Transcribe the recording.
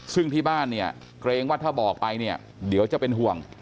ซึ่งที่บ้านเนี่ยเกรงว่าถ้าบอกไปเนี่ยเดี๋ยวจะเป็นห่วง